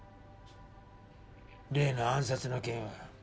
例の暗殺の件は？